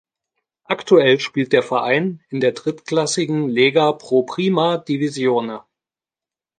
Aktuell spielt der Verein in der Drittklassigen Lega Pro Prima Divisione.